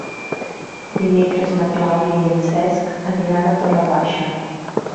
Dimecres na Clàudia i en Cesc aniran a Torre Baixa.